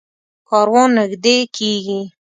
کاروان نږدې کېږي.